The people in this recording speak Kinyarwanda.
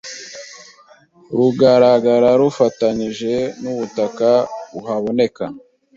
rugaragara rufatanije nubutaka buhaboneka